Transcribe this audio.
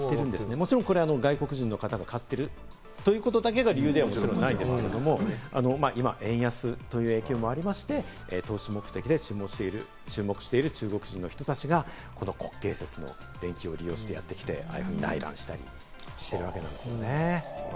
もちろんこれは外国人の方が買ってるというだけの理由ではないんですが、今、円安という影響もありまして、投資目的で注目している、中国人の人たちがこの国慶節の連休を利用して、やってきて、内覧したりしているわけなんですね。